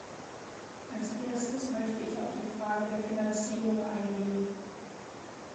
Als Erstes möchte ich auf die Frage der Finanzierung eingehen.